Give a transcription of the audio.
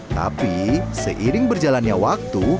tapi seiring berjalannya waktu